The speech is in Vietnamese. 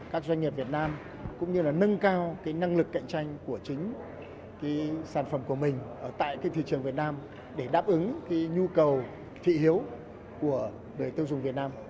các doanh nghiệp việt nam cũng như là nâng cao năng lực cạnh tranh của chính sản phẩm của mình ở tại thị trường việt nam để đáp ứng cái nhu cầu thị hiếu của người tiêu dùng việt nam